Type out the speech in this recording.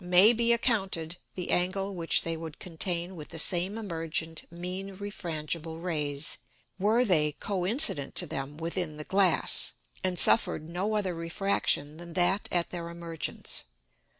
may be accounted the Angle which they would contain with the same emergent mean refrangible Rays, were they co incident to them within the Glass, and suffered no other Refraction than that at their Emergence.